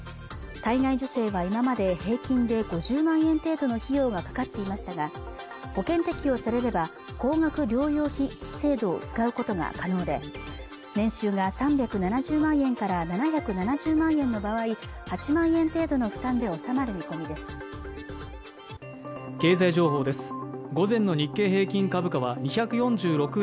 体外受精は今まで平均で５０万円程度の費用がかかっていましたが保険適用されれば高額療養費制度を使うことが可能で年収が３７０万円から７７０万円の場合８万円程度の負担で収まる見込みです